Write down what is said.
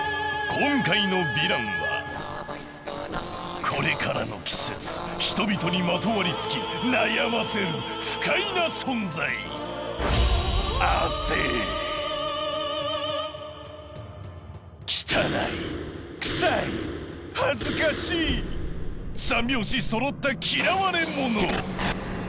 今回のヴィランはこれからの季節人々にまとわりつき悩ませる不快な存在三拍子そろった嫌われもの！